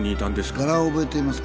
柄を覚えていますか？